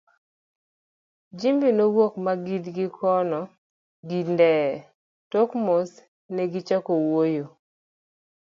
Jimbi nowuok ma gidgi kono gi Ndee, tok mos negichako wuoyo….